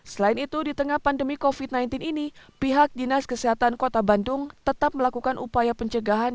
selain itu di tengah pandemi covid sembilan belas ini pihak dinas kesehatan kota bandung tetap melakukan upaya pencegahan